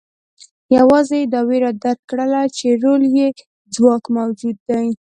یوازې یې دا وېره درک کړې چې رول کې ځواک موجود دی.